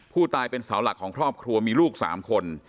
ผู้ตายเป็นเสาหลักของครอบครัวมีลูก๓คน